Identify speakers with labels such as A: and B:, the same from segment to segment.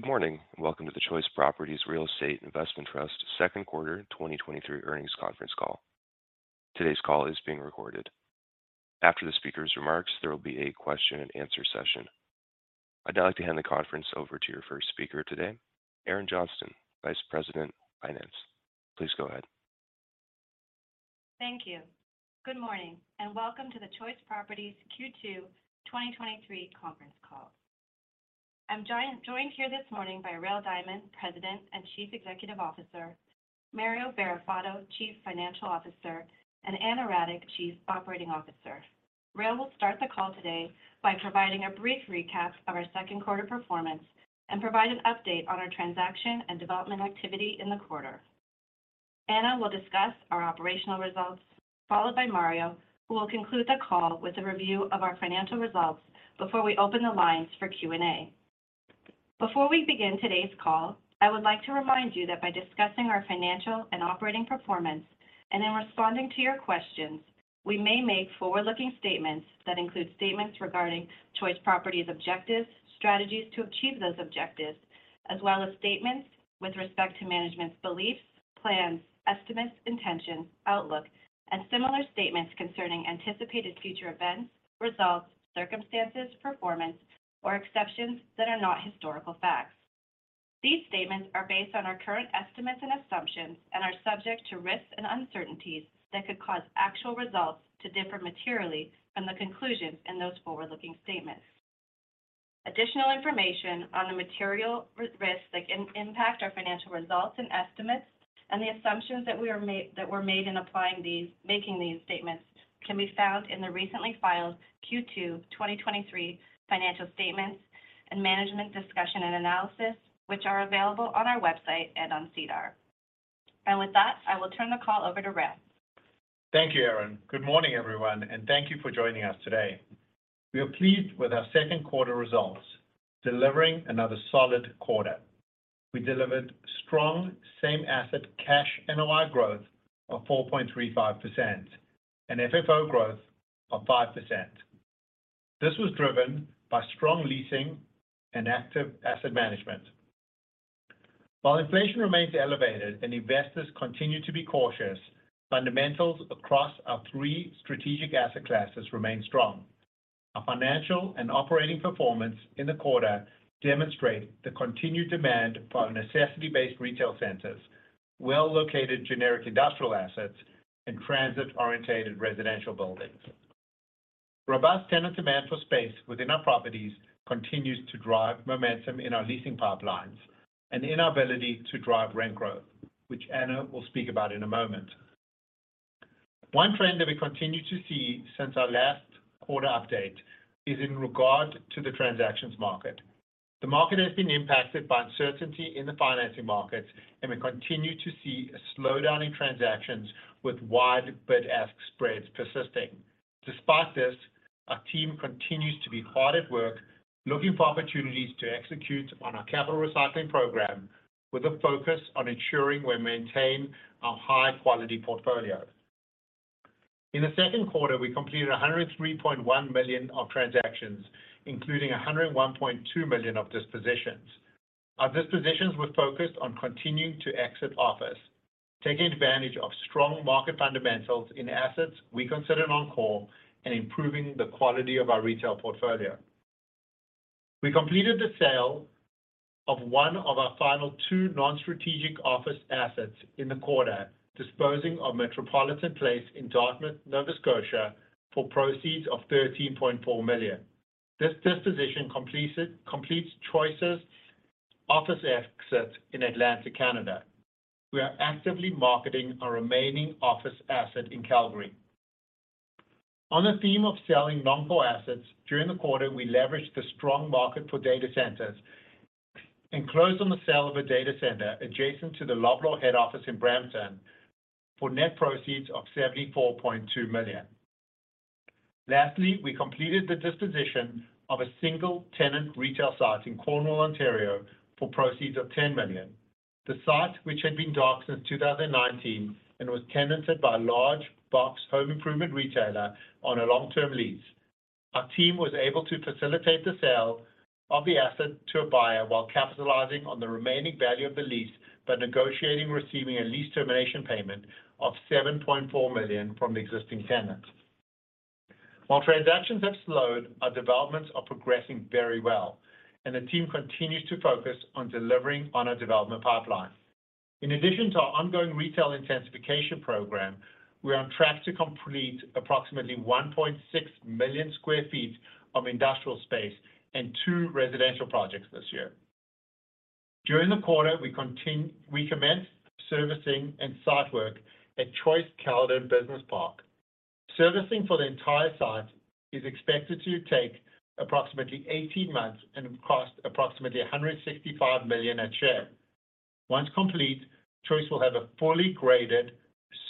A: Good morning, welcome to the Choice Properties Real Estate Investment Trust second quarter 2023 earnings conference call. Today's call is being recorded. After the speaker's remarks, there will be a question and answer session. I'd now like to hand the conference over to your first speaker today, Erin Johnston, Vice President, Finance. Please go ahead.
B: Thank you. Good morning, welcome to the Choice Properties Q2 2023 conference call. I'm joined here this morning by Rael Diamond, President and Chief Executive Officer; Mario Barrafato, Chief Financial Officer; and Ana Radic, Chief Operating Officer. Rael will start the call today by providing a brief recap of our second quarter performance and provide an update on our transaction and development activity in the quarter. Ana will discuss our operational results, followed by Mario, who will conclude the call with a review of our financial results before we open the lines for Q&A. Before we begin today's call, I would like to remind you that by discussing our financial and operating performance and in responding to your questions, we may make forward-looking statements that include statements regarding Choice Properties' objectives, strategies to achieve those objectives, as well as statements with respect to management's beliefs, plans, estimates, intentions, outlook, and similar statements concerning anticipated future events, results, circumstances, performance, or exceptions that are not historical facts. These statements are based on our current estimates and assumptions and are subject to risks and uncertainties that could cause actual results to differ materially from the conclusions in those forward-looking statements. Additional information on the material risks that can impact our financial results and estimates, and the assumptions that were made in applying these making these statements, can be found in the recently filed Q2 2023 financial statements and Management Discussion and Analysis, which are available on our website and on SEDAR. With that, I will turn the call over to Rael.
C: Thank you, Erin. Good morning, everyone, and thank you for joining us today. We are pleased with our second quarter results, delivering another solid quarter. We delivered strong same asset cash NOI growth of 4.35% and FFO growth of 5%. This was driven by strong leasing and active asset management. While inflation remains elevated and investors continue to be cautious, fundamentals across our three strategic asset classes remain strong. Our financial and operating performance in the quarter demonstrate the continued demand for our necessity-based retail centers, well-located generic industrial assets, and transit-orientated residential buildings. Robust tenant demand for space within our properties continues to drive momentum in our leasing pipelines and in our ability to drive rent growth, which Ana will speak about in a moment. One trend that we continue to see since our last quarter update is in regard to the transactions market. The market has been impacted by uncertainty in the financing markets, and we continue to see a slowdown in transactions with wide bid-ask spreads persisting. Despite this, our team continues to be hard at work, looking for opportunities to execute on our capital recycling program, with a focus on ensuring we maintain our high-quality portfolio. In the second quarter, we completed 103.1 million of transactions, including 101.2 million of dispositions. Our dispositions were focused on continuing to exit office, taking advantage of strong market fundamentals in assets we considered on call and improving the quality of our retail portfolio. We completed the sale of one of our final two non-strategic office assets in the quarter, disposing of Metropolitan Place in Dartmouth, Nova Scotia, for proceeds of 13.4 million. This disposition completes Choice's office assets in Atlantic Canada. We are actively marketing our remaining office asset in Calgary. On the theme of selling non-core assets, during the quarter, we leveraged the strong market for data centers and closed on the sale of a data center adjacent to the Loblaw head office in Brampton for net proceeds of 74.2 million. Lastly, we completed the disposition of a single-tenant retail site in Cornwall, Ontario, for proceeds of 10 million. The site, which had been dark since 2019 and was tenanted by a large box home improvement retailer on a long-term lease. Our team was able to facilitate the sale of the asset to a buyer while capitalizing on the remaining value of the lease by negotiating receiving a lease termination payment of 7.4 million from the existing tenants. While transactions have slowed, our developments are progressing very well, and the team continues to focus on delivering on our development pipeline. In addition to our ongoing retail intensification program, we are on track to complete approximately 1.6 million sq ft of industrial space and two residential projects this year. During the quarter, we commenced servicing and site work at Choice Caledon Business Park. Servicing for the entire site is expected to take approximately 18 months and cost approximately 165 million a share. Once complete, Choice will have a fully graded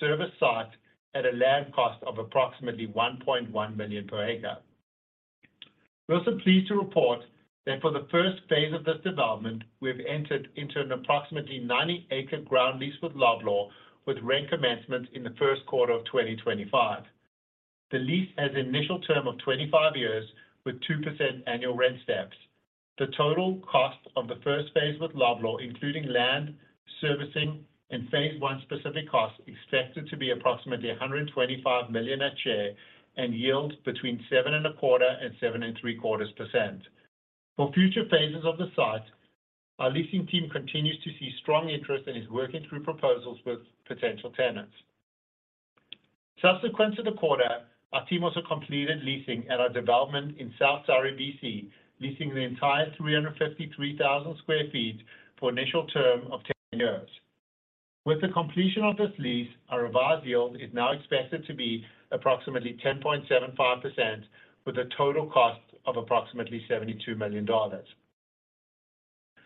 C: service site at a land cost of approximately 1.1 million per acre. We're also pleased to report that for the first phase of this development, we've entered into an approximately 90-acre ground lease with Loblaw, with rent commencement in the first quarter of 2025. The lease has an initial term of 25 years, with 2% annual rent steps. The total cost of the first phase with Loblaw, including land, servicing, and phase I specific costs, expected to be approximately 125 million at share and yield between 7.25% and 7.75%. For future phases of the site, our leasing team continues to see strong interest and is working through proposals with potential tenants. Subsequent to the quarter, our team also completed leasing at our development in South Surrey, BC, leasing the entire 353,000 sq ft for initial term of 10 years. With the completion of this lease, our revised yield is now expected to be approximately 10.75%, with a total cost of approximately 72 million dollars.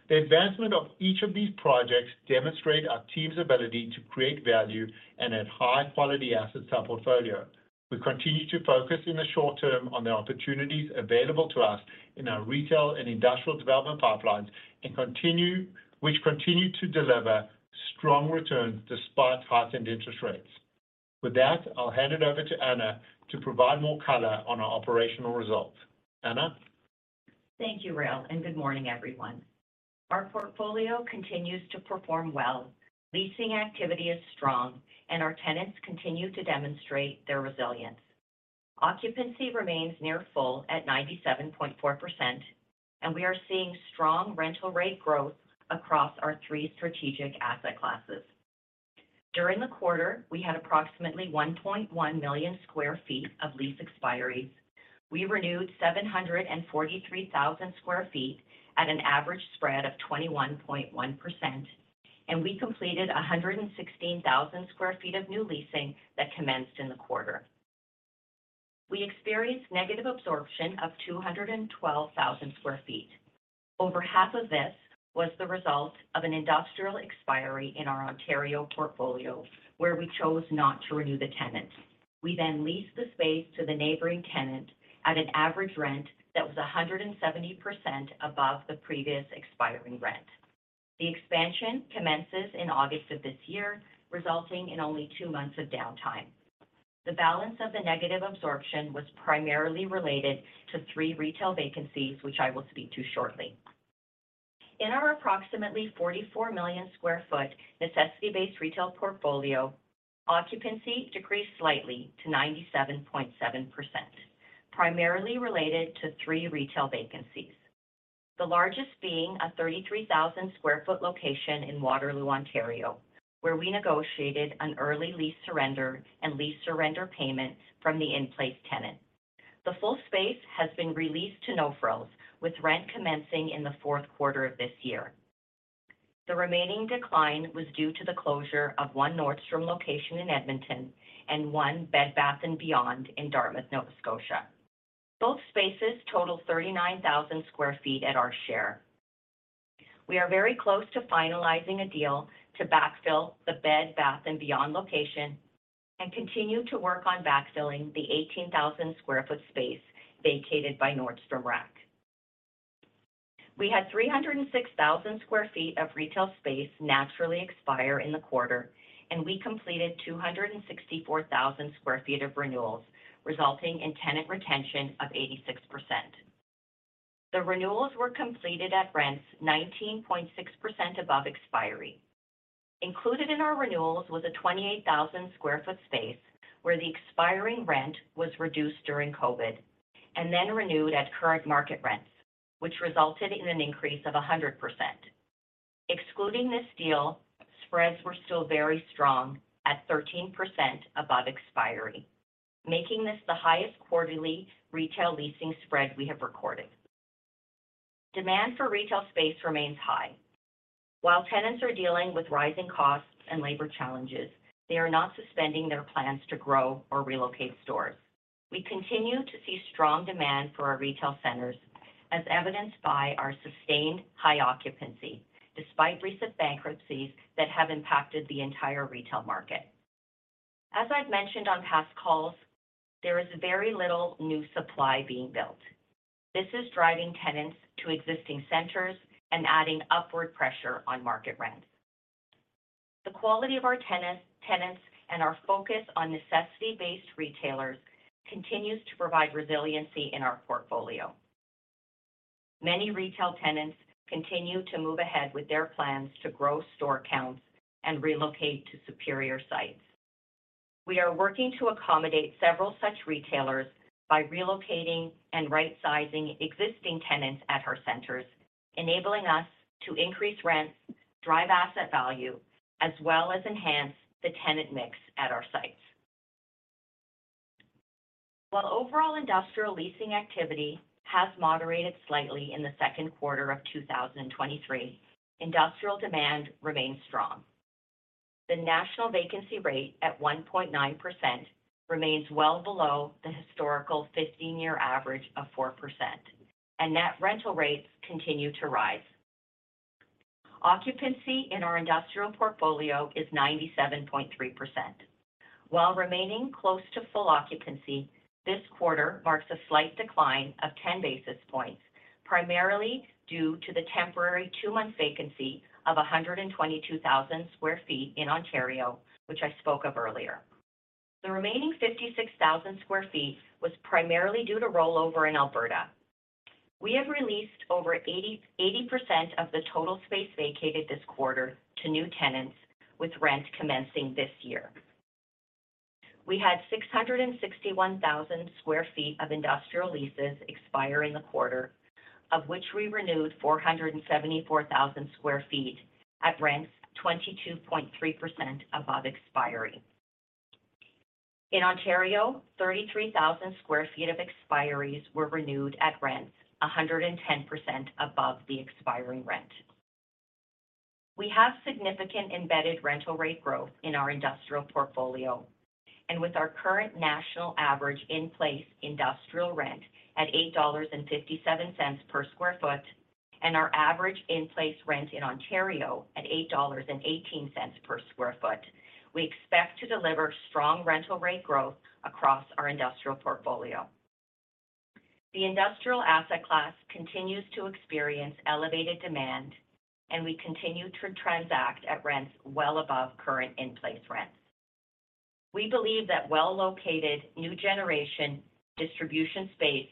C: The advancement of each of these projects demonstrate our team's ability to create value and add high-quality assets to our portfolio. We continue to focus in the short term on the opportunities available to us in our retail and industrial development pipelines, which continue to deliver strong returns despite heightened interest rates. With that, I'll hand it over to Ana to provide more color on our operational results. Ana?
D: Thank you, Rael. Good morning, everyone. Our portfolio continues to perform well. Leasing activity is strong. Our tenants continue to demonstrate their resilience. Occupancy remains near full at 97.4%. We are seeing strong rental rate growth across our three strategic asset classes. During the quarter, we had approximately 1.1 million sq ft of lease expiries. We renewed 743,000 sq ft at an average spread of 21.1%. We completed 116,000 sq ft of new leasing that commenced in the quarter. We experienced negative absorption of 212,000 sq ft. Over half of this was the result of an industrial expiry in our Ontario portfolio, where we chose not to renew the tenant. We leased the space to the neighboring tenant at an average rent that was 170% above the previous expiring rent. The expansion commences in August of this year, resulting in only 2 months of downtime. The balance of the negative absorption was primarily related to three retail vacancies, which I will speak to shortly. In our approximately 44 million sq ft necessity-based retail portfolio, occupancy decreased slightly to 97.7%, primarily related to three retail vacancies. The largest being a 33,000 sq ft location in Waterloo, Ontario, where we negotiated an early lease surrender and lease surrender payment from the in-place tenant. The full space has been re-leased to No Frills, with rent commencing in the fourth quarter of this year. The remaining decline was due to the closure of one Nordstrom location in Edmonton and one Bed Bath & Beyond in Dartmouth, Nova Scotia. Both spaces total 39,000 sq ft at our share. We are very close to finalizing a deal to backfill the Bed Bath & Beyond location and continue to work on backfilling the 18,000 sq ft space vacated by Nordstrom Rack. We had 306,000 sq ft of retail space naturally expire in the quarter, and we completed 264,000 sq ft of renewals, resulting in tenant retention of 86%. The renewals were completed at rents 19.6% above expiry. Included in our renewals was a 28,000 sq ft space where the expiring rent was reduced during COVID and then renewed at current market rents, which resulted in an increase of 100%. Excluding this deal, spreads were still very strong at 13% above expiry, making this the highest quarterly retail leasing spread we have recorded. Demand for retail space remains high. While tenants are dealing with rising costs and labor challenges, they are not suspending their plans to grow or relocate stores. We continue to see strong demand for our retail centers, as evidenced by our sustained high occupancy, despite recent bankruptcies that have impacted the entire retail market. As I've mentioned on past calls, there is very little new supply being built. This is driving tenants to existing centers and adding upward pressure on market rent. The quality of our tenants and our focus on necessity-based retailers continues to provide resiliency in our portfolio. Many retail tenants continue to move ahead with their plans to grow store counts and relocate to superior sites. We are working to accommodate several such retailers by relocating and right-sizing existing tenants at our centers, enabling us to increase rents, drive asset value, as well as enhance the tenant mix at our sites. While overall industrial leasing activity has moderated slightly in the second quarter of 2023, industrial demand remains strong. The national vacancy rate at 1.9% remains well below the historical 15-year average of 4%. Net rental rates continue to rise. Occupancy in our industrial portfolio is 97.3%. While remaining close to full occupancy, this quarter marks a slight decline of 10 basis points, primarily due to the temporary two-month vacancy of 122,000 sq ft in Ontario, which I spoke of earlier. The remaining 56,000 sq ft was primarily due to rollover in Alberta. We have released over 80% of the total space vacated this quarter to new tenants, with rent commencing this year. We had 661,000 sq ft of industrial leases expire in the quarter, of which we renewed 474,000 sq ft at rents 22.3% above expiry. In Ontario, 33,000 sq ft of expiries were renewed at rents 110% above the expiring rent. We have significant embedded rental rate growth in our industrial portfolio, and with our current national average in-place industrial rent at $8.57 per sq ft, and our average in-place rent in Ontario at $8.18 per sq ft, we expect to deliver strong rental rate growth across our industrial portfolio. The industrial asset class continues to experience elevated demand, and we continue to transact at rents well above current in-place rents. We believe that well-located, new generation distribution space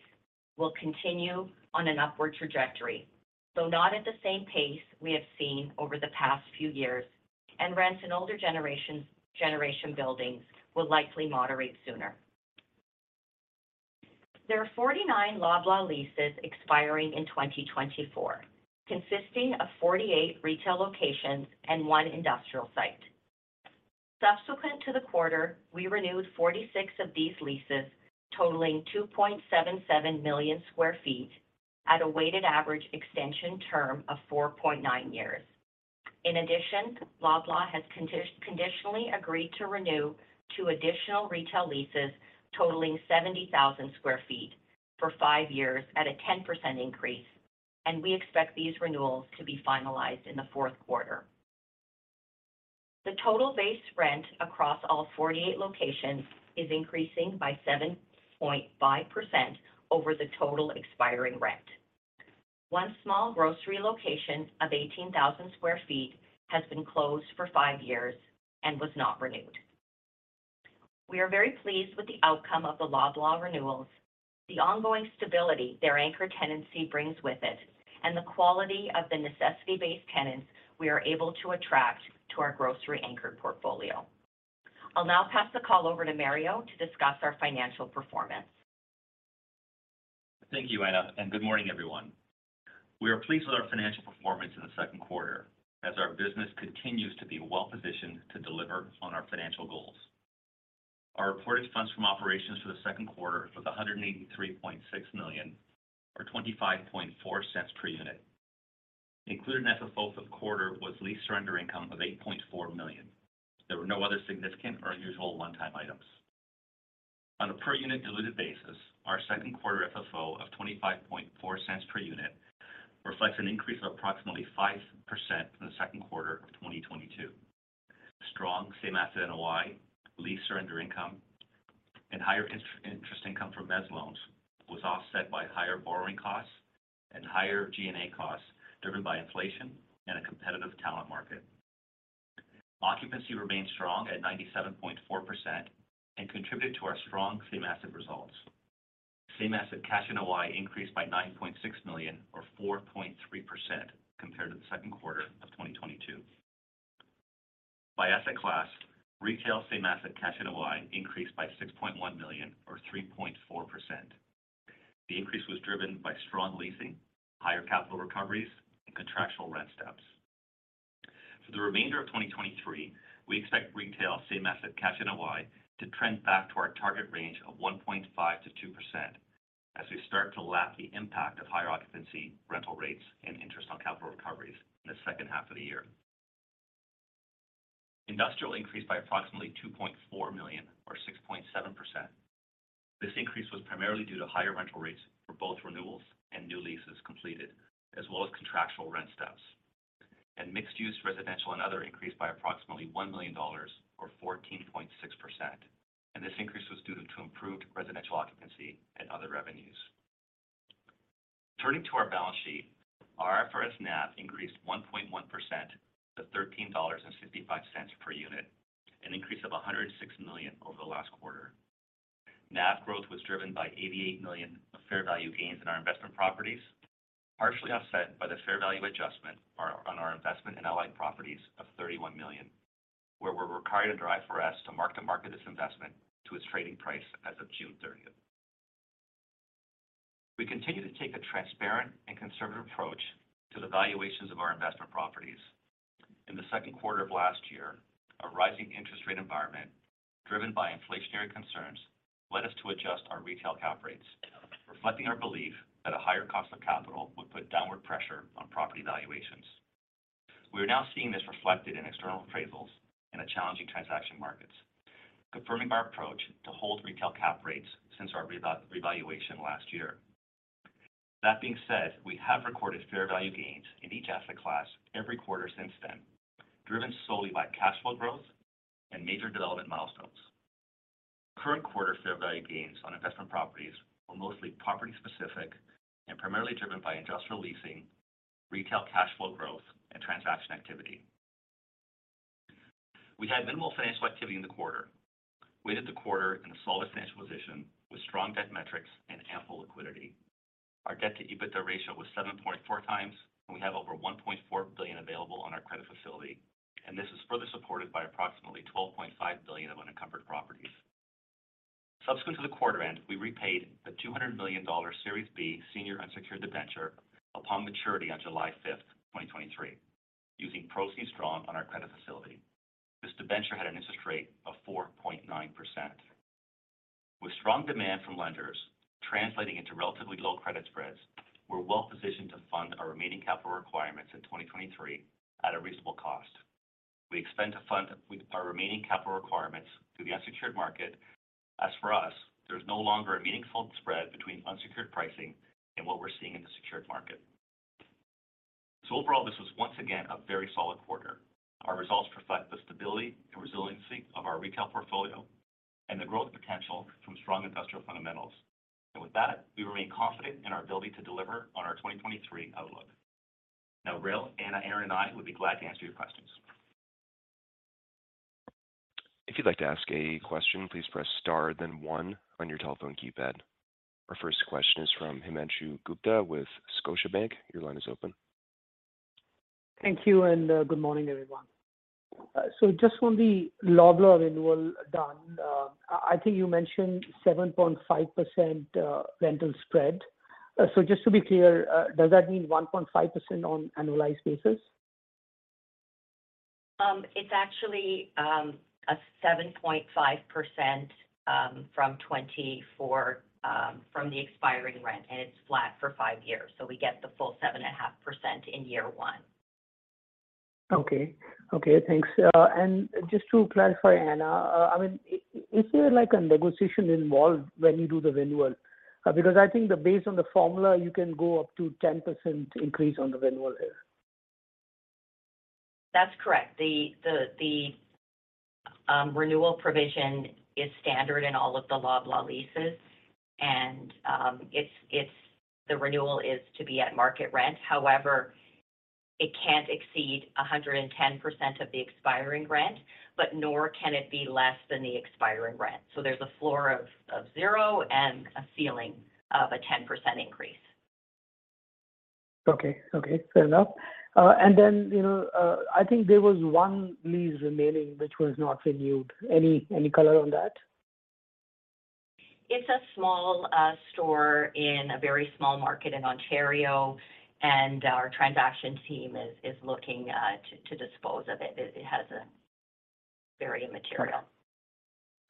D: will continue on an upward trajectory, though not at the same pace we have seen over the past few years, and rents in older generation buildings will likely moderate sooner. There are 49 Loblaw leases expiring in 2024, consisting of 48 retail locations and one industrial site. Subsequent to the quarter, we renewed 46 of these leases, totaling 2.77 million sq ft at a weighted average extension term of 4.9 years. In addition, Loblaw has conditionally agreed to renew two additional retail leases totaling 70,000 sq ft for five years at a 10% increase, and we expect these renewals to be finalized in the fourth quarter. The total base rent across all 48 locations is increasing by 7.5% over the total expiring rent. One small grocery location of 18,000 sq ft has been closed for five years and was not renewed. We are very pleased with the outcome of the Loblaw renewals, the ongoing stability their anchor tenancy brings with it, and the quality of the necessity-based tenants we are able to attract to our grocery-anchored portfolio. I'll now pass the call over to Mario to discuss our financial performance.
E: Thank you, Ana, good morning, everyone. We are pleased with our financial performance in the second quarter, as our business continues to be well-positioned to deliver on our financial goals. Our reported funds from operations for the second quarter was 183.6 million, or 0.254 per unit. Included in FFO for the quarter was lease surrender income of 8.4 million. There were no other significant or unusual one-time items. On a per unit diluted basis, our second quarter FFO of 0.254 per unit reflects an increase of approximately 5% from the second quarter of 2022. Strong same asset NOI, lease surrender income, and higher interest income from mezzanine loans was offset by higher borrowing costs and higher G&A costs, driven by inflation and a competitive talent market. Occupancy remained strong at 97.4% and contributed to our strong same asset results. Same asset cash NOI increased by 9.6 million, or 4.3% compared to 2Q 2022. By asset class, retail same asset cash NOI increased by 6.1 million, or 3.4%. The increase was driven by strong leasing, higher capital recoveries, and contractual rent steps. For the remainder of 2023, we expect retail same asset cash NOI to trend back to our target range of 1.5%-2% as we start to lap the impact of higher occupancy, rental rates, and interest on capital recoveries in the second half of the year. Industrial increased by approximately 2.4 million, or 6.7%. This increase was primarily due to higher rental rates for both renewals and new leases completed, as well as contractual rent steps. Mixed-use, residential, and other increased by approximately 1 million dollars, or 14.6%. This increase was due to improved residential occupancy and other revenues. Turning to our balance sheet, our IFRS NAV increased 1.1% to 13.55 dollars per unit, an increase of 106 million over the last quarter. NAV growth was driven by 88 million of fair value gains in our investment properties, partially offset by the fair value adjustment on our investment in Allied Properties of 31 million, where we're required under IFRS to mark to market this investment to its trading price as of June thirtieth. We continue to take a transparent and conservative approach to the valuations of our investment properties. In the second quarter of last year, a rising interest rate environment, driven by inflationary concerns, led us to adjust our retail cap rates, reflecting our belief that a higher cost of capital would put downward pressure on property valuations. We are now seeing this reflected in external appraisals and the challenging transaction markets, confirming our approach to hold retail cap rates since our revaluation last year. We have recorded fair value gains in each asset class every quarter since then, driven solely by cash flow growth and major development milestones. Current quarter fair value gains on investment properties were mostly property specific and primarily driven by industrial leasing, retail cash flow growth, and transaction activity. We had minimal financial activity in the quarter. We ended the quarter in a solid financial position with strong debt metrics and ample liquidity. Our debt-to-EBITDA ratio was 7.4x. We have over 1.4 billion available on our credit facility. This is further supported by approximately 12.5 billion of unencumbered properties. Subsequent to the quarter end, we repaid the 200 million dollar Series B senior unsecured debentures upon maturity on July 5th, 2023, using proceeds drawn on our credit facility. This debenture had an interest rate of 4.9%. With strong demand from lenders translating into relatively low credit spreads, we're well positioned to fund our remaining capital requirements in 2023 at a reasonable cost. We expect to fund with our remaining capital requirements through the unsecured market. As for us, there's no longer a meaningful spread between unsecured pricing and what we're seeing in the secured market. Overall, this was once again a very solid quarter. Our results reflect the stability and resiliency of our retail portfolio and the growth potential from strong industrial fundamentals. With that, we remain confident in our ability to deliver on our 2023 outlook. Now, Rael, Ana, Erin, and I would be glad to answer your questions.
A: If you'd like to ask a question, please press star, then one on your telephone keypad. Our first question is from Himanshu Gupta with Scotiabank. Your line is open.
F: Thank you, good morning, everyone. Just on the Loblaw renewal done, I think you mentioned 7.5% rental spread. Just to be clear, does that mean 1.5% on annualized basis?
D: It's actually a 7.5% from 2024 from the expiring rent, and it's flat for five years, so we get the full 7.5% in year one.
F: Okay. Okay, thanks. Just to clarify, Ana, I mean, is there like a negotiation involved when you do the renewal? I think the, based on the formula, you can go up to 10% increase on the renewal here.
D: That's correct. The renewal provision is standard in all of the Loblaw leases, and the renewal is to be at market rent. However, it can't exceed 110% of the expiring rent, but nor can it be less than the expiring rent. There's a floor of zero and a ceiling of a 10% increase.
F: Okay. Okay, fair enough. Then, you know, I think there was one lease remaining, which was not renewed. Any color on that?
D: It's a small store in a very small market in Ontario. Our transaction team is looking to dispose of it. It has a very immaterial.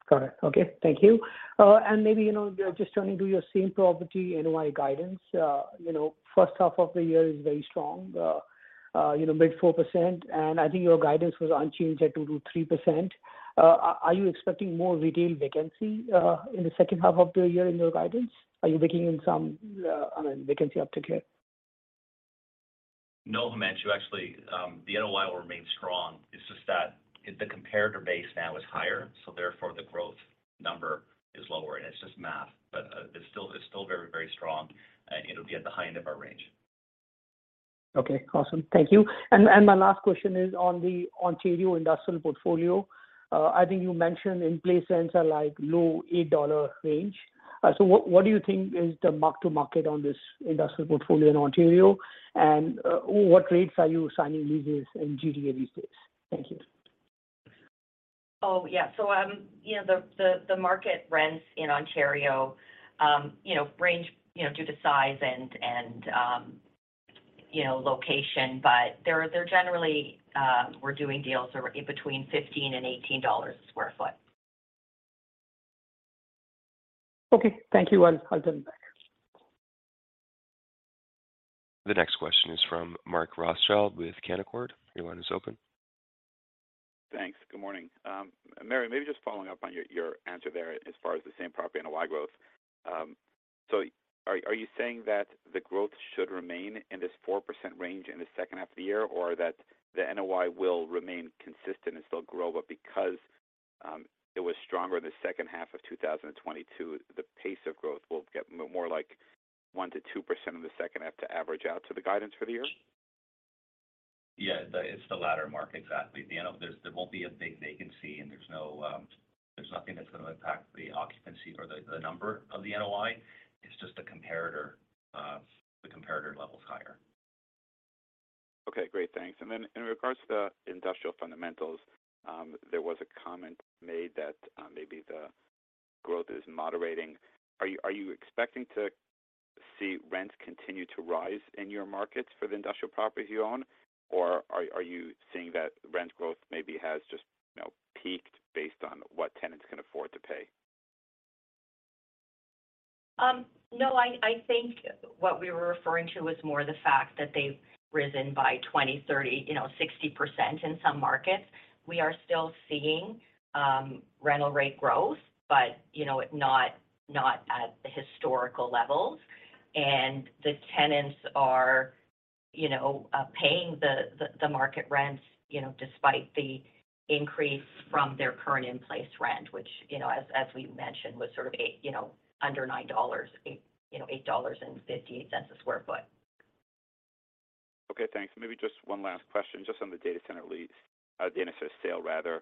F: Got it. Okay, thank you. Maybe, you know, just turning to your same property NOI guidance, you know, first half of the year is very strong, you know, mid 4%, I think your guidance was unchanged at 2%-3%. Are you expecting more retail vacancy in the second half of the year in your guidance? Are you baking in some, I mean, vacancy uptick here?
E: Himanshu, actually, the NOI will remain strong. It's just that the comparator base now is higher. Therefore, the growth number is lower. It's just math. It's still very, very strong, and it'll be at the high end of our range.
F: Okay, awesome. Thank you. My last question is on the Ontario industrial portfolio. I think you mentioned in place rents are like low 8 dollar range. What do you think is the mark to market on this industrial portfolio in Ontario? What rates are you signing leases in GTA these days? Thank you.
D: Oh, yeah. You know, the market rents in Ontario, you know, range, you know, due to size and, you know, location, but they're generally, we're doing deals in between 15 and 18 dollars a sq ft.
F: Okay, thank you, and I'll turn it back.
A: The next question is from Mark Rothschild with Canaccord. Your line is open.
G: Thanks. Good morning. Mario, maybe just following up on your answer there as far as the same property NOI growth. Are you saying that the growth should remain in this 4% range in the second half of the year, or that the NOI will remain consistent and still grow, but because it was stronger in the second half of 2022, the pace of growth will get more like 1%-2% in the second half to average out to the guidance for the year?
E: Yeah, it's the latter, Mark, exactly. There won't be a big vacancy, and there's no, there's nothing that's going to impact the occupancy or the number of the NOI. It's just the comparator, the comparator level is higher.
G: Okay, great. Thanks. In regards to the industrial fundamentals, there was a comment made that, maybe the growth is moderating. Are you expecting to see rents continue to rise in your markets for the industrial properties you own? Or are you seeing that rent growth maybe has just, you know, peaked based on what tenants can afford to pay?
D: No, I think what we were referring to was more the fact that they've risen by 20%, 30%, you know, 60% in some markets. We are still seeing, you know, rental rate growth, but, you know, not at the historical levels. The tenants are, you know, paying the market rents, you know, despite the increase from their current in-place rent, which, you know, as we mentioned, was sort of 8 dollars, you know, under 9. 8.58 a square foot.
G: Okay, thanks. Maybe just one last question, just on the data center lease, the NSS sale, rather.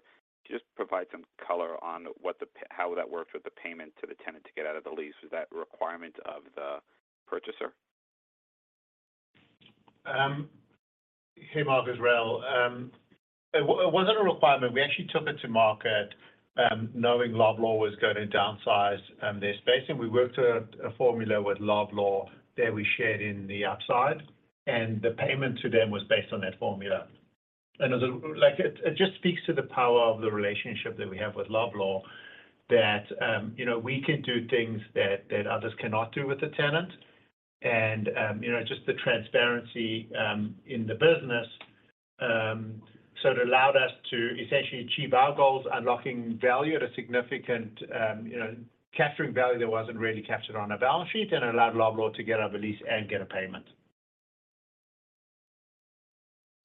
G: Just provide some color on what how that worked with the payment to the tenant to get out of the lease. Was that a requirement of the purchaser?
C: Hey, Mark, it's Rael. It wasn't a requirement. We actually took it to market, knowing Loblaw was going to downsize their space, and we worked out a formula with Loblaw that we shared in the upside, and the payment to them was based on that formula. like, it just speaks to the power of the relationship that we have with Loblaw that, you know, we can do things that others cannot do with the tenant. you know, just the transparency in the business. It allowed us to essentially achieve our goals, unlocking value at a significant, you know, capturing value that wasn't really captured on a balance sheet, and allowed Loblaw to get out of a lease and get a payment.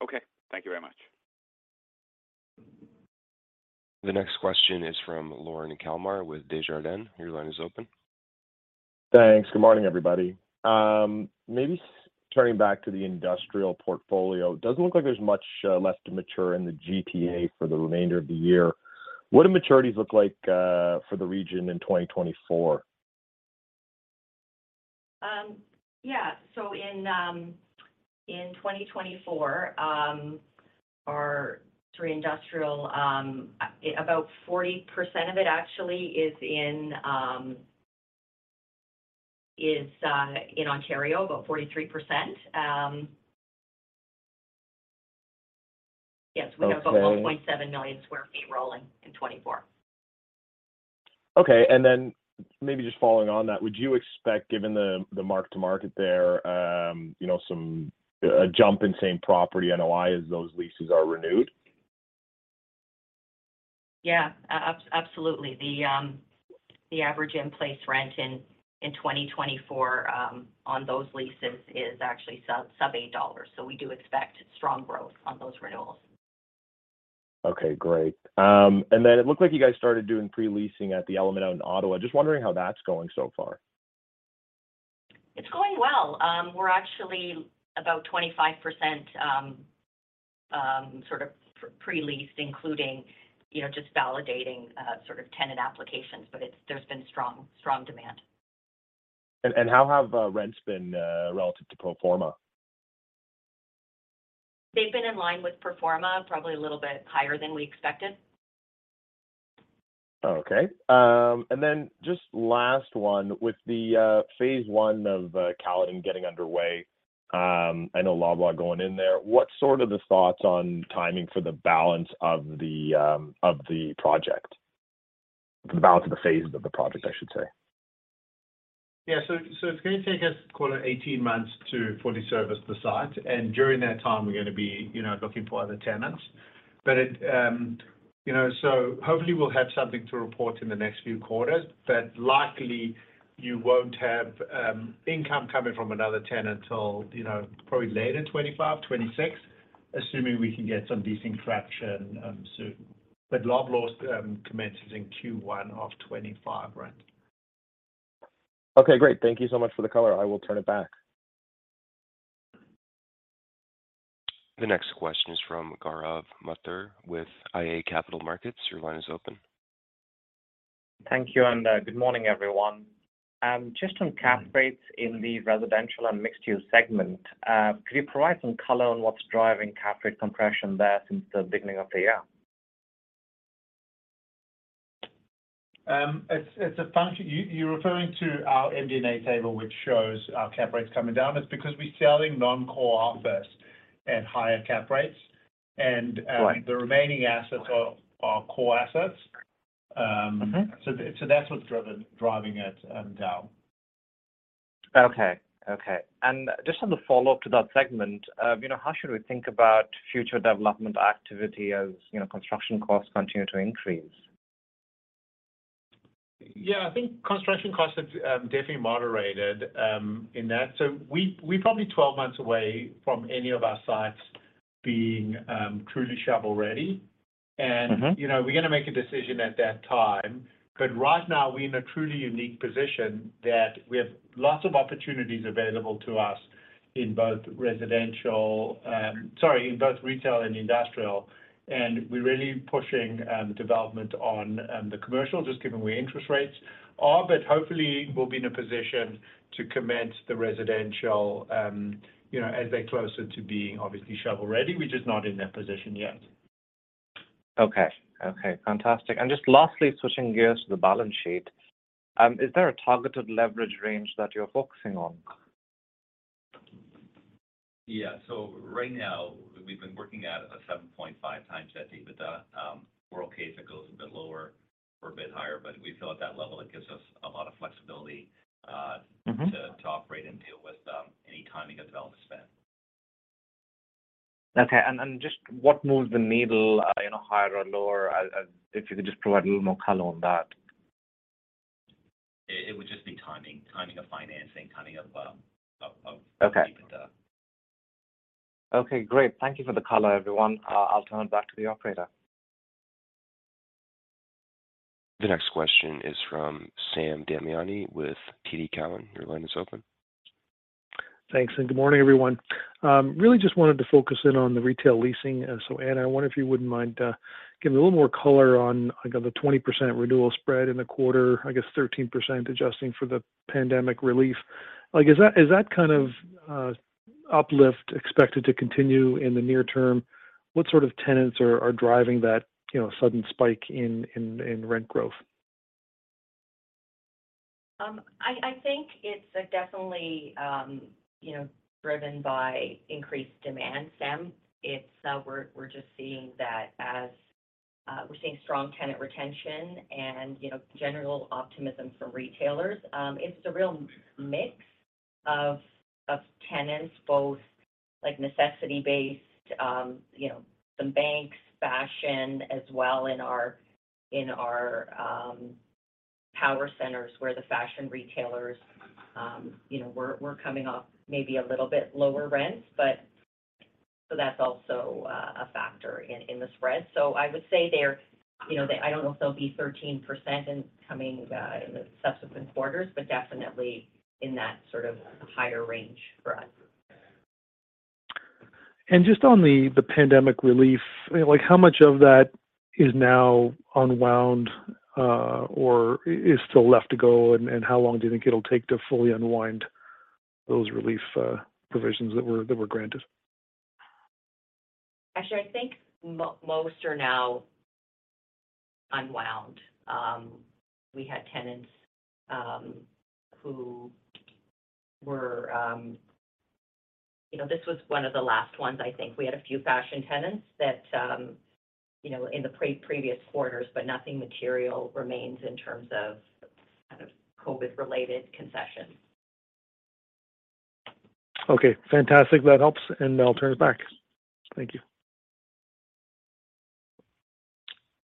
G: Okay. Thank you very much.
A: The next question is from Lorne Kalmar with Desjardins. Your line is open.
H: Thanks. Good morning, everybody. Maybe turning back to the industrial portfolio, it doesn't look like there's much left to mature in the GTA for the remainder of the year. What do maturities look like for the region in 2024?
D: Yeah. In 2024, our three industrial, about 40% of it actually is in Ontario, about 43%. Yes, we have-
H: Okay.
D: About 0.7 million sq ft rolling in 2024.
H: Okay. Then maybe just following on that, would you expect, given the mark-to-market there, you know, a jump in same property NOI as those leases are renewed?
D: Absolutely. The average in-place rent in 2024 on those leases is actually sub 8 dollars, so we do expect strong growth on those renewals.
H: Okay, great. It looked like you guys started doing pre-leasing at the Element out in Ottawa. Just wondering how that's going so far?
D: It's going well. We're actually about 25%, sort of pre-leased, including, you know, just validating, sort of tenant applications. There's been strong demand.
H: How have rents been relative to pro forma?
D: They've been in line with pro forma, probably a little bit higher than we expected.
H: Okay. Just last one. With the phase I of Caledon getting underway, I know Loblaw going in there, what sort of the thoughts on timing for the balance of the project, the balance of the phases of the project, I should say?
C: Yeah. It's going to take us, call it 18 months to fully service the site, and during that time we're gonna be, you know, looking for other tenants. It, you know, hopefully we'll have something to report in the next few quarters, but likely you won't have income coming from another tenant until, you know, probably later in 2025, 2026, assuming we can get some disinflation soon. Loblaw's commences in Q1 of 2025, right?
H: Okay, great. Thank you so much for the color. I will turn it back.
A: The next question is from Gaurav Mathur with iA Capital Markets. Your line is open.
I: Thank you, and good morning, everyone. Just on cap rates in the residential and mixed-use segment, could you provide some color on what's driving cap rate compression there since the beginning of the year?
C: You're referring to our MD&A table, which shows our cap rates coming down. It's because we're selling non-core office at higher cap rates, and.
I: Right...
C: the remaining assets are core assets.
I: Mm-hmm...
C: so that's what's driving it down.
I: Okay, okay. Just on the follow-up to that segment, you know, how should we think about future development activity as, you know, construction costs continue to increase?
C: Yeah, I think construction costs have definitely moderated in that. We're probably 12 months away from any of our sites being truly shovel-ready.
I: Mm-hmm.
C: You know, we're gonna make a decision at that time. Right now we're in a truly unique position that we have lots of opportunities available to us in both residential, sorry, in both retail and industrial, and we're really pushing development on the commercial, just given where interest rates are. Hopefully, we'll be in a position to commence the residential, you know, as they're closer to being obviously shovel-ready. We're just not in that position yet.
I: Okay. Okay, fantastic. Just lastly, switching gears to the balance sheet, is there a targeted leverage range that you're focusing on?
E: Yeah. Right now, we've been working at a 7.5x debt to EBITDA. We're okay if it goes a bit lower or a bit higher, but we feel at that level, it gives us a lot of flexibility.
I: Mm-hmm...
E: to operate and deal with, any timing of development spend.
I: Okay. Just what moves the needle, you know, higher or lower? If you could just provide a little more color on that....
E: it would just be timing of financing, timing of.
I: Okay. Okay, great. Thank you for the color, everyone. I'll turn it back to the operator.
A: The next question is from Sam Damiani with TD Cowen. Your line is open.
J: Thanks, and good morning, everyone. Really just wanted to focus in on the retail leasing. Ana, I wonder if you wouldn't mind giving a little more color on, like, the 20% renewal spread in the quarter, I guess 13% adjusting for the pandemic relief. Like, is that kind of uplift expected to continue in the near term? What sort of tenants are driving that, you know, sudden spike in rent growth?
D: I think it's definitely, you know, driven by increased demand, Sam. It's, we're just seeing that as we're seeing strong tenant retention and, you know, general optimism from retailers. It's a real mix of tenants, both, like, necessity-based, you know, some banks, fashion as well in our power centers, where the fashion retailers, you know, we're coming off maybe a little bit lower rents, but so that's also a factor in the spread. I would say they're, you know, I don't know if they'll be 13% in coming in the subsequent quarters, but definitely in that sort of higher range for us.
J: Just on the pandemic relief, like, how much of that is now unwound, or is still left to go, and how long do you think it'll take to fully unwind those relief provisions that were granted?
D: Actually, I think most are now unwound. We had tenants who were. You know, this was one of the last ones, I think. We had a few fashion tenants that, you know, in the previous quarters, but nothing material remains in terms of kind of COVID-related concessions.
J: Okay, fantastic. That helps, and I'll turn it back. Thank you.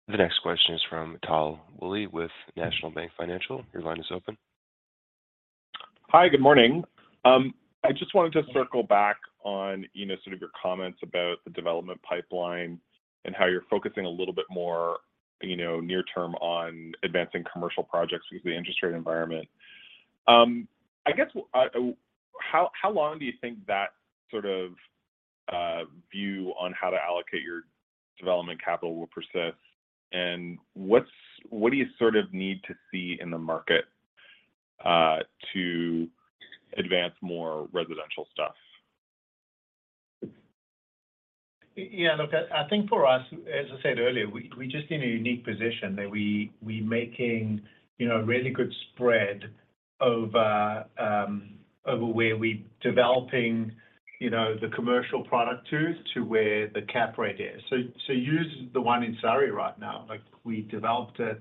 A: The next question is from Tal Woolley with National Bank Financial. Your line is open.
K: Hi, good morning. I just wanted to circle back on, you know, sort of your comments about the development pipeline and how you're focusing a little bit more, you know, near term on advancing commercial projects because of the interest rate environment. I guess how long do you think that sort of view on how to allocate your development capital will persist? What do you sort of need to see in the market to advance more residential stuff?
C: Yeah, look, I think for us, as I said earlier, we're just in a unique position that we making, you know, a really good spread over where we're developing, you know, the commercial product to where the cap rate is. Use the one in Surrey right now. Like, we developed it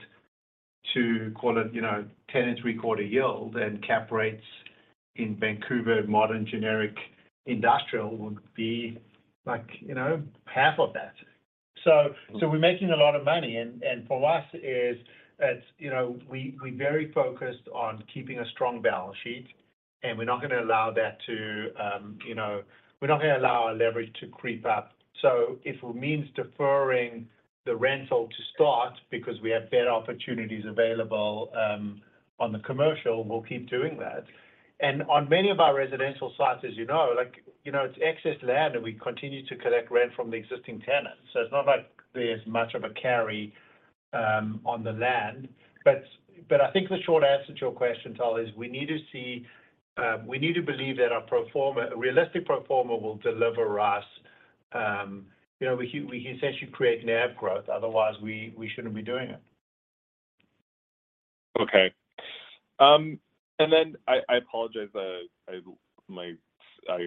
C: to call it, you know, 10 and three-quarter yield, and cap rates in Vancouver, modern, generic industrial would be like, you know, half of that. We're making a lot of money. For us, it's, you know, we're very focused on keeping a strong balance sheet, and we're not going to allow that to, you know, we're not going to allow our leverage to creep up. If it means deferring the rental to start because we have better opportunities available, on the commercial, we'll keep doing that. On many of our residential sites, as you know, like, you know, it's excess land, and we continue to collect rent from the existing tenants, so it's not like there's much of a carry on the land. But I think the short answer to your question, Tal, is we need to see, we need to believe that our pro forma, a realistic pro forma will deliver us, you know, we essentially create NAV growth. Otherwise, we shouldn't be doing it.
K: Okay. Then I apologize, I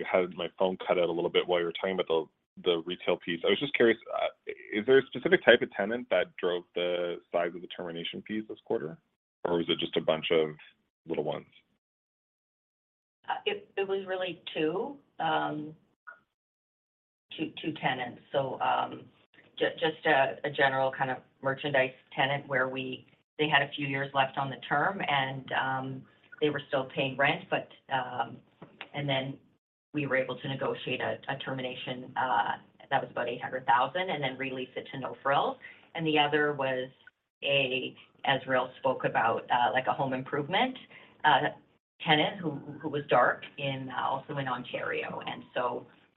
K: had my phone cut out a little bit while you were talking about the retail piece. I was just curious, is there a specific type of tenant that drove the size of the termination piece this quarter, or was it just a bunch of little ones?
D: It was really two tenants. Just a general kind of merchandise tenant where they had a few years left on the term, and they were still paying rent. We were able to negotiate a termination that was about 800,000, and then re-lease it to No Frills. The other was as Rael spoke about, like a home improvement tenant, who was dark in also in Ontario,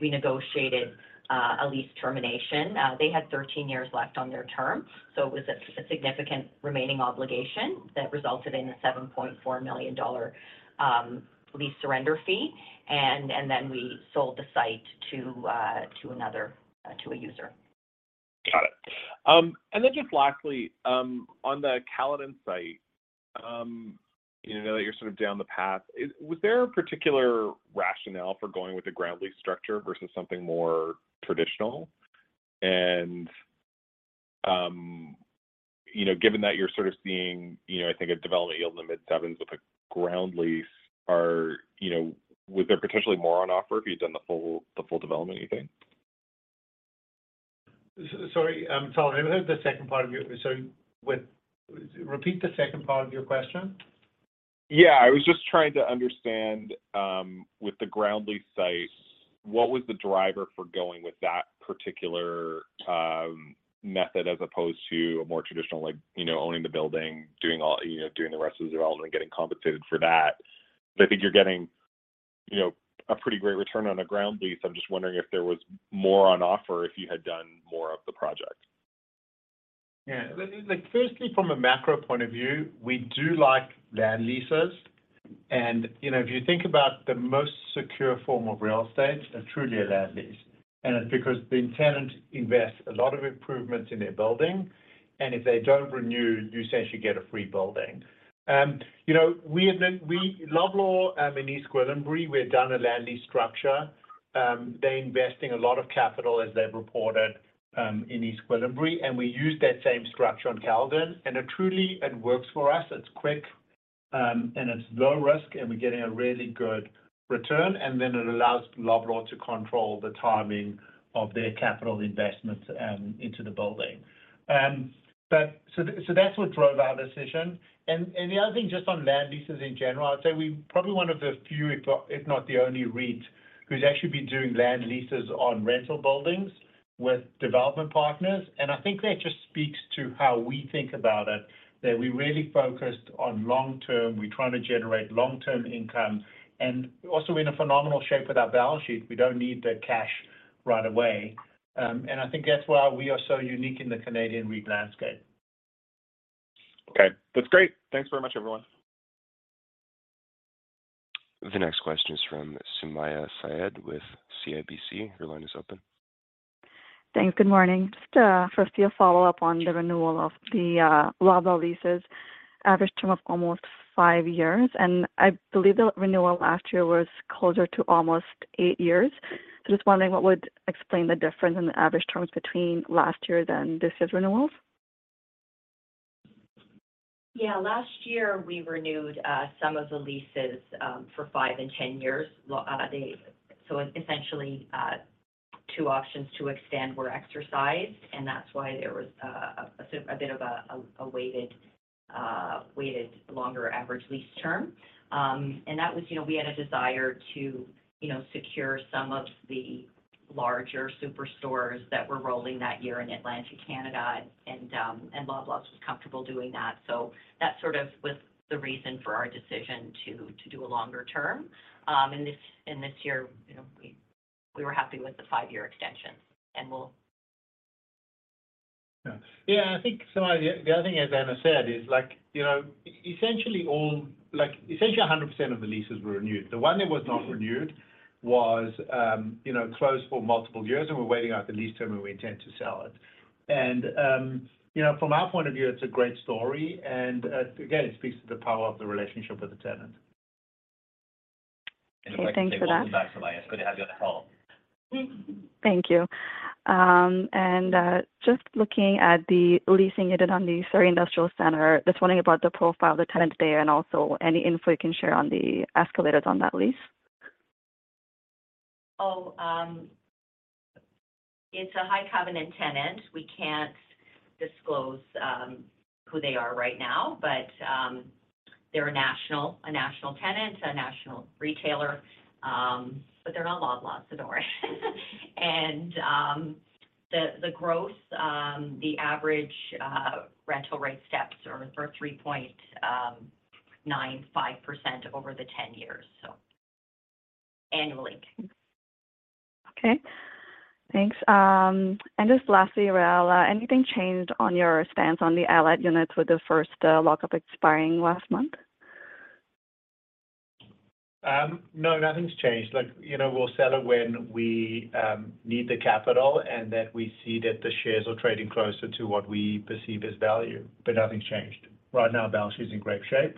D: we negotiated a lease termination. They had 13 years left on their term, it was a significant remaining obligation that resulted in a 7.4 million dollar lease surrender fee. We sold the site to another to a user.
K: Got it. Just lastly, on the Caledon site, that you're sort of down the path. Was there a particular rationale for going with the ground lease structure versus something more traditional? Given that you're sort of seeing, I think a development yield in the mid-sevens with a ground lease, was there potentially more on offer if you'd done the full development, you think?
C: sorry, I didn't hear the second part of your, sorry, what? Repeat the second part of your question.
K: Yeah, I was just trying to understand, with the ground lease site, what was the driver for going with that particular method as opposed to a more traditional, like, you know, owning the building, doing all, you know, doing the rest of the development, getting compensated for that? I think you're getting, you know, a pretty great return on a ground lease. I'm just wondering if there was more on offer, if you had done more of the project.
C: Yeah. Like, firstly, from a macro point of view, we do like land leases. You know, if you think about the most secure form of real estate, are truly a land lease. It's because the tenant invests a lot of improvements in their building, and if they don't renew, you essentially get a free building. You know, Loblaw, in East Gwillimbury, we've done a land lease structure. They're investing a lot of capital, as they've reported, in East Gwillimbury, and we used that same structure on Caledon. It truly, it works for us. It's quick, and it's low risk, and we're getting a really good return, and then it allows Loblaw to control the timing of their capital investments into the building. So that's what drove our decision. The other thing, just on land leases in general, I'd say we probably one of the few, if not the only REIT who's actually been doing land leases on rental buildings with development partners. I think that just speaks to how we think about it, that we're really focused on long-term. We're trying to generate long-term income, and also we're in a phenomenal shape with our balance sheet. We don't need the cash right away. I think that's why we are so unique in the Canadian REIT landscape.
K: Okay, that's great. Thanks very much, everyone.
A: The next question is from Sumayya Syed with CIBC. Your line is open.
L: Thanks. Good morning. Just, firstly, a follow-up on the renewal of the Loblaw leases. Average term of almost five years, and I believe the renewal last year was closer to almost eight years. Just wondering what would explain the difference in the average terms between last year than this year's renewals?
D: Yeah. Last year, we renewed, some of the leases, for five and 10 years. Essentially, two options to extend were exercised, and that's why there was a bit of a weighted longer average lease term. That was, you know, we had a desire to, you know, secure some of the larger superstores that were rolling that year in Atlantic Canada, Loblaw was comfortable doing that. That sort of was the reason for our decision to do a longer term. This, and this year, you know, we were happy with the five year extension, and we'll.
C: Yeah. Yeah, I think, Sumayya, the other thing, as Ana said, is, like, you know, essentially like, essentially 100% of the leases were renewed. The one that was not renewed was, you know, closed for multiple years, and we're waiting out the lease term, and we intend to sell it. You know, from our point of view, it's a great story, and again, it speaks to the power of the relationship with the tenant.
L: Okay, thanks for that.
C: Welcome back, Sumayya. It's good to have you on the call.
L: Thank you. Just looking at the leasing you did on the Surrey Industrial Centre, just wondering about the profile of the tenant there, and also any info you can share on the escalators on that lease?
D: Oh, it's a high covenant tenant. We can't disclose who they are right now, but they're a national tenant, a national retailer, but they're not Loblaw, so don't worry. The growth, the average, rental rate steps are for 3.95% over the 10 years, so annually.
L: Okay, thanks. Just lastly, Rael, anything changed on your stance on the Allied units with the first lock-up expiring last month?
C: No, nothing's changed. Like, you know, we'll sell it when we, need the capital, and that we see that the shares are trading closer to what we perceive as value. Nothing's changed. Right now, our balance sheet's in great shape,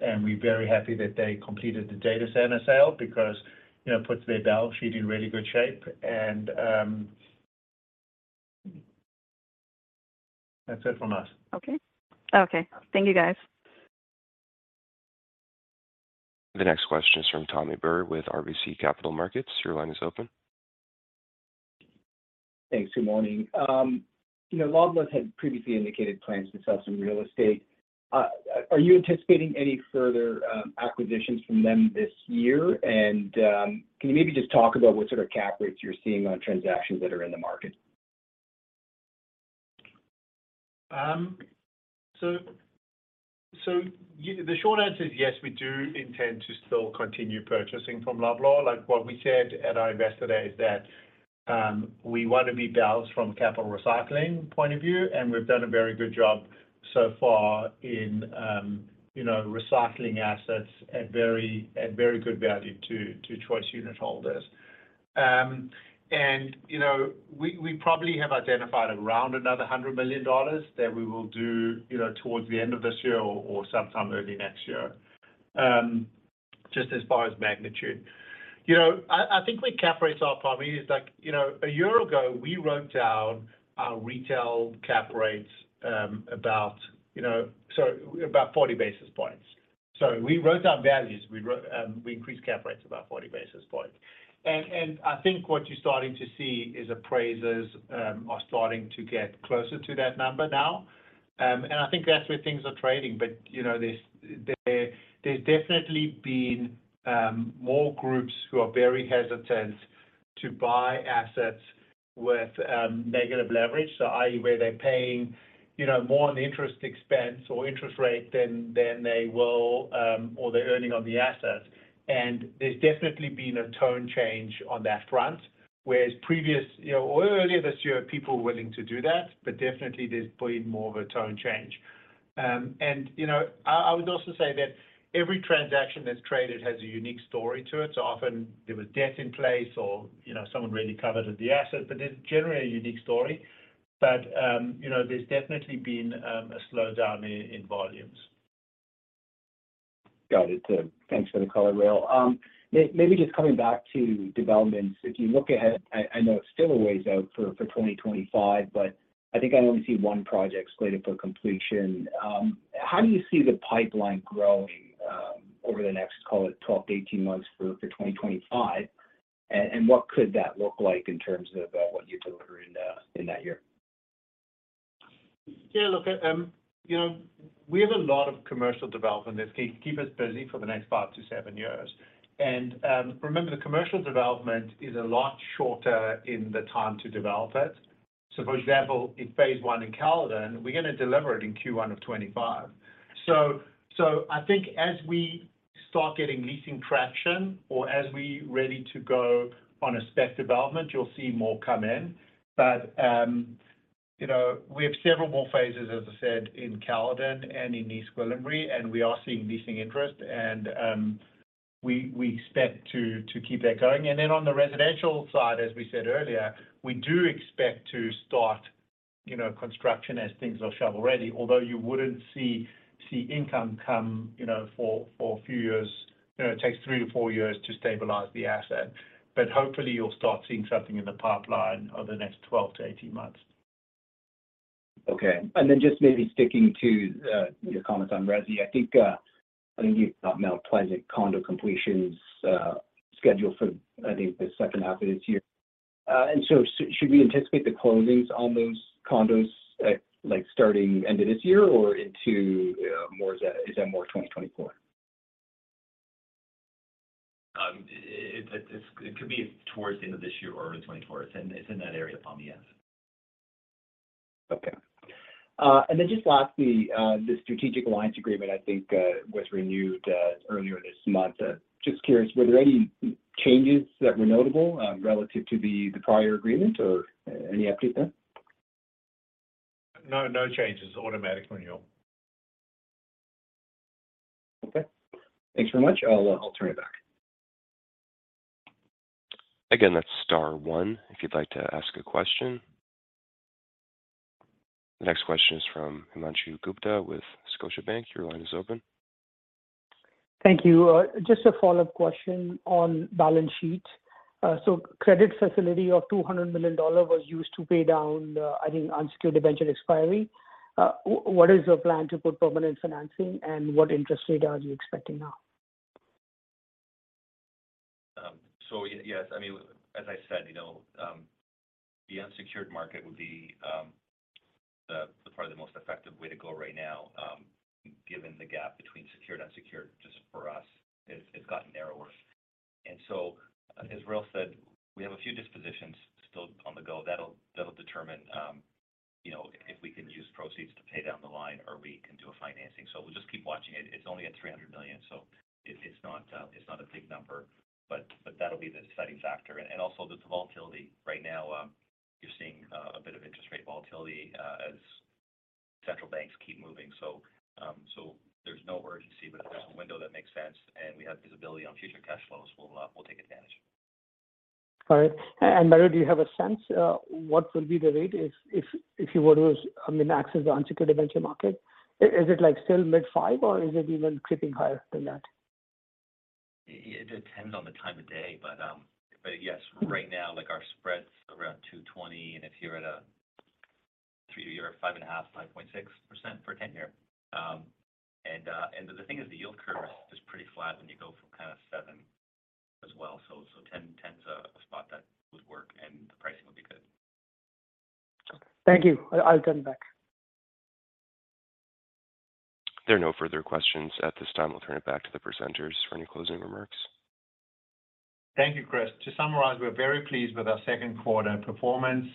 C: and we're very happy that they completed the data center sale because, you know, it puts their balance sheet in really good shape, and, that's it from us.
L: Okay. Okay. Thank you, guys.
A: The next question is from Pammi Bir with RBC Capital Markets. Your line is open.
M: Thanks. Good morning. You know, Loblaw had previously indicated plans to sell some real estate. Are you anticipating any further acquisitions from them this year? Can you maybe just talk about what sort of cap rates you're seeing on transactions that are in the market?
C: The short answer is yes, we do intend to still continue purchasing from Loblaw. Like what we said at our investor day is that we want to be balanced from a capital recycling point of view, and we've done a very good job so far in, you know, recycling assets at very good value to Choice unit holders. You know, we probably have identified around another 100 million dollars that we will do, you know, towards the end of this year or sometime early next year. Just as far as magnitude. You know, I think we cap rates are probably. It's like, you know, a year ago, we wrote down our retail cap rates, about, you know, so about 40 basis points. We wrote down values, we wrote, we increased cap rates about 40 basis points. I think what you're starting to see is appraisers are starting to get closer to that number now. I think that's where things are trading. You know, there's definitely been more groups who are very hesitant to buy assets with negative leverage. I.e., where they're paying, you know, more on the interest expense or interest rate than they will or they're earning on the assets. There's definitely been a tone change on that front, whereas previous, you know, or earlier this year, people were willing to do that, but definitely there's been more of a tone change. You know, I would also say that every transaction that's traded has a unique story to it. Often there was debt in place or, you know, someone really covered with the asset, but there's generally a unique story. You know, there's definitely been a slowdown in volumes.
M: Got it. Thanks for the color Rael. Maybe just coming back to developments. If you look ahead, I know it's still a ways out for 2025, but I think I only see one project slated for completion. How do you see the pipeline growing over the next, call it, 12-18 months for 2025? What could that look like in terms of what you deliver in that year?
C: Yeah, look, you know, we have a lot of commercial development that can keep us busy for the next five to seven years. Remember, the commercial development is a lot shorter in the time to develop it. For example, in phase I in Caledon, we're going to deliver it in Q1 of 2025. I think as we start getting leasing traction or as we ready to go on a spec development, you'll see more come in. You know, we have several more phases, as I said, in Caledon and in East Gwillimbury, and we are seeing leasing interest, and we expect to keep that going. On the residential side, as we said earlier, we do expect to start, you know, construction as things are shovel ready. Although you wouldn't see income come, you know, for a few years. You know, it takes three to four years to stabilize the asset, but hopefully you'll start seeing something in the pipeline over the next 12-18 months.
M: Okay. Just maybe sticking to, your comments on resi. I think, I think you've got Mount Pleasant condo completions, scheduled for, I think, the second half of this year. Should we anticipate the closings on those condos, like starting end of this year or into, more, is that more 2024?
E: It could be towards the end of this year or in 2024. It's in that area for me, yes.
M: Okay. Then just lastly, the Strategic Alliance Agreement, I think, was renewed earlier this month. Just curious, were there any changes that were notable relative to the prior agreement or any update there?
C: No, no changes. Automatic renewal.
M: Okay. Thanks very much. I'll turn it back.
A: That's star one if you'd like to ask a question. The next question is from Himanshu Gupta with Scotiabank. Your line is open.
F: Thank you. Just a follow-up question on balance sheet. Credit facility of 200 million dollars was used to pay down the, I think, unsecured debenture expiry. What is your plan to put permanent financing, and what interest rate are you expecting now?
E: Yes, I mean, as I said, you know, the unsecured market would be the probably the most effective way to go right now, given the gap between secured, unsecured, just for us, it's gotten narrower. As Rael said, we have a few dispositions still on the go. That'll determine, you know, if we can use proceeds to pay down the line or we can do a financing. We'll just keep watching it. It's only at 300 million, so it's not a big number, but that'll be the deciding factor. Also the volatility. Right now, you're seeing a bit of interest rate volatility, as central banks keep moving. There's no urgency, but if there's a window that makes sense and we have visibility on future cash flows, we'll take advantage.
F: All right. Mario, do you have a sense, what will be the rate if you were to, I mean, access the unsecured venture market? Is it like still mid-five or is it even creeping higher than that?
E: It depends on the time of day, but yes, right now, like our spread is around 220, and if you're at a 3-year, 5.5.6% for 10-year. The thing is, the yield curve is pretty flat when you go from kind of seven as well. 10 is a spot that would work and the pricing would be good.
F: Thank you. I'll turn back.
A: There are no further questions at this time. I'll turn it back to the presenters for any closing remarks.
C: Thank you, Chris. To summarize, we're very pleased with our second quarter performance.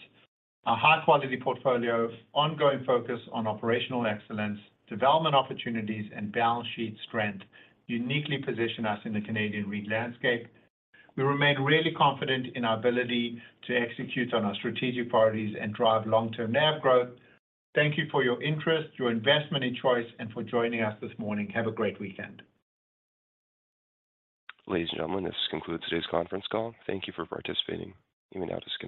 C: A high-quality portfolio, ongoing focus on operational excellence, development opportunities, and balance sheet strength uniquely position us in the Canadian REIT landscape. We remain really confident in our ability to execute on our strategic priorities and drive long-term NAV growth. Thank you for your interest, your investment and Choice, and for joining us this morning. Have a great weekend.
A: Ladies and gentlemen, this concludes today's conference call. Thank you for participating. You may now disconnect.